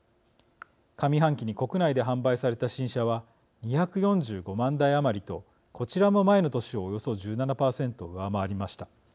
上半期に国内で販売された新車は２４５万台余りとこちらも前の年をおよそ１７％、上回りました。